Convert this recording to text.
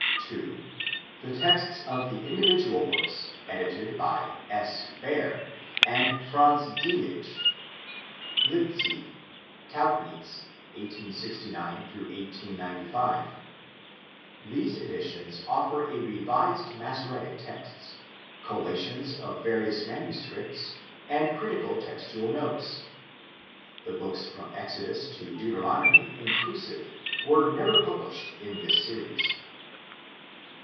(2) The texts of the individual books edited by S. Baer and Franz Deli tzsch (Leipzig: Tauchnitz, 1869 95). These editions offer a revised Massoretic text, collations of various manu scripts, and critical textual notes. The books from Exodus to Deuteronomy inclusive were never published in this series.